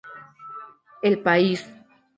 El País.